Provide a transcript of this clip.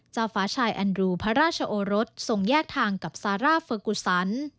ฟ้าชายแอนรูพระราชโอรสทรงแยกทางกับซาร่าเฟอร์กุซัน